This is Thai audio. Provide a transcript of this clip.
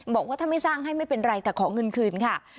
บอกว่าถ้าไม่สร้างให้ไม่เป็นไรแต่ขอเงินคืนค่ะ